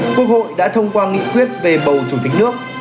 quốc hội đã thông qua nghị quyết về bầu chủ tịch nước